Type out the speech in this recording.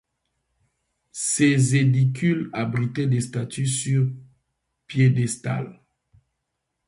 Ces édicules abritaient des statues sur piédestal.